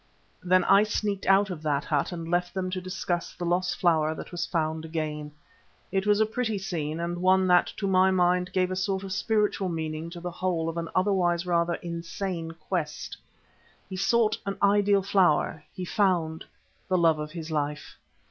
Then I sneaked out of that hut and left them to discuss the lost flower that was found again. It was a pretty scene, and one that to my mind gave a sort of spiritual meaning to the whole of an otherwise rather insane quest. He sought an ideal flower, he found the love of his life.